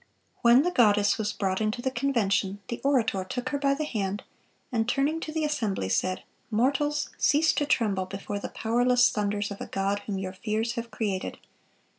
(405) When the goddess was brought into the Convention, the orator took her by the hand, and turning to the assembly said: "Mortals, cease to tremble before the powerless thunders of a God whom your fears have created.